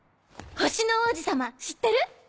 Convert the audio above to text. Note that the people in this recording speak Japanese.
『星の王子さま』知ってる？